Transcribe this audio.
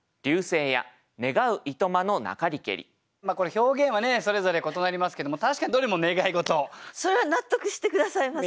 表現はそれぞれ異なりますけども確かにそれは納得して下さいますか？